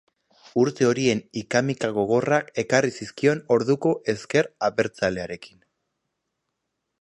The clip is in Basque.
Urte horiek ika-mika gogorrak ekarri zizkion orduko Ezker Abertzalearekin.